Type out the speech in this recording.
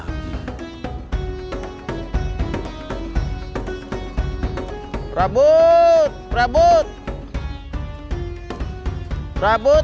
kalau mengapain gini ikut